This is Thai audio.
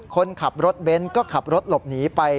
คนขับรถเบนท์ก็ขับรถหลบหนีไป